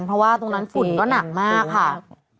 เพราะว่าตรงนั้นฝุ่นก็หนักมากค่ะ